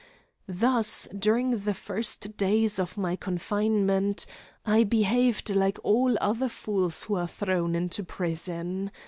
Thus, during the first days of my confinement, I behaved like all other fools who are thrown into prison.